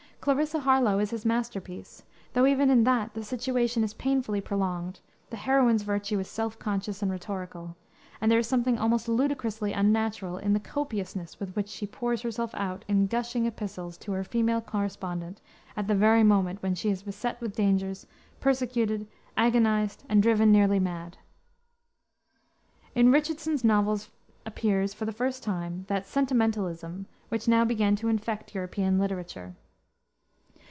Clarissa Harlowe is his masterpiece, though even in that the situation is painfully prolonged, the heroine's virtue is self conscious and rhetorical, and there is something almost ludicrously unnatural in the copiousness with which she pours herself out in gushing epistles to her female correspondent at the very moment when she is beset with dangers, persecuted, agonized, and driven nearly mad. In Richardson's novels appears, for the first time, that sentimentalism which now began to infect European literature.